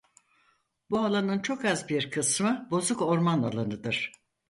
Bu alanın çok az bir kısmı bozuk orman alanıdır.